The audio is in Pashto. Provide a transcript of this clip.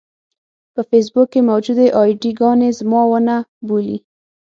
په فېسبوک کې موجودې اې ډي ګانې زما ونه بولي.